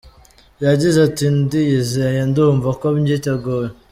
Yagize ati :”Ndiyizeye, ndumva ko mbyiteguye.